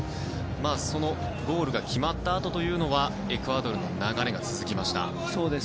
そのゴールが決まったあとというのはエクアドルの流れが続きました。